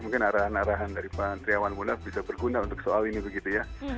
mungkin arahan arahan dari pak triawan munar bisa berguna untuk soal ini begitu ya